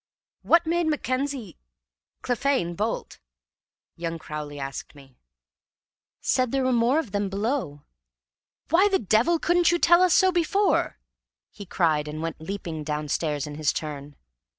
"What made Mackenzie Clephane bolt?" young Crowley asked me. "Said there were more of them below." "Why the devil couldn't you tell us so before?" he cried, and went leaping downstairs in his turn.